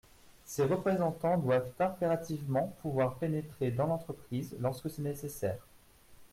Ces représentants doivent impérativement pouvoir pénétrer dans l’entreprise lorsque c’est nécessaire.